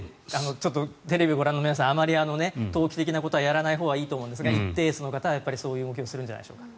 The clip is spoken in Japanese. テレビをご覧の皆さんあまり投機的なことはやらないほうがいいと思うんですが一定数の方はやるんじゃないでしょうか。